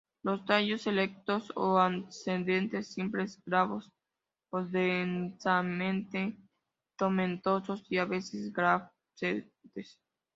Los tallos erectos o ascendentes, simples, glabros o densamente tomentosos, a veces glabrescentes.